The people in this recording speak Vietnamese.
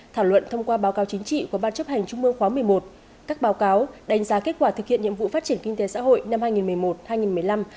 thảo luận thông qua báo cáo chính trị của ban chấp hành trung mương khóa một mươi một các báo cáo đánh giá kết quả thực hiện nhiệm vụ phát triển kinh tế xã hội năm hai nghìn một mươi một hai nghìn một mươi năm